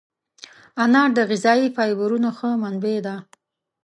انار د غذایي فایبرونو ښه منبع ده.